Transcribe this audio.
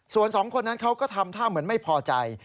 ส่วนสองคนนั้นเขาก็ทำท่าเหมือนไม่พอใจ